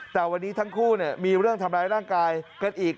แต่วันนี้ทั้งคู่มีเรื่องทำร้ายร่างกายกันอีก